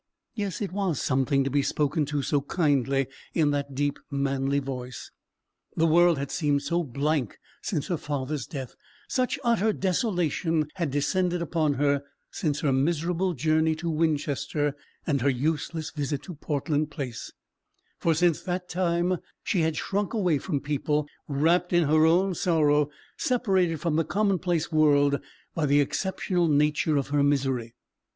Yes, it was something to be spoken to so kindly in that deep manly voice. The world had seemed so blank since her father's death: such utter desolation had descended upon her since her miserable journey to Winchester, and her useless visit to Portland Place: for since that time she had shrunk away from people, wrapped in her own sorrow, separated from the commonplace world by the exceptional nature of her misery.